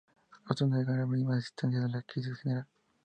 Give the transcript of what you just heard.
Otros negaban la misma existencia de una crisis general.